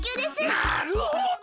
なるほど！